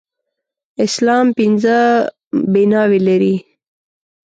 اسلام پينځه بلاوي لري.